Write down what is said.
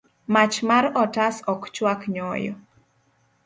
Mach mar otas ok chwak nyoyo.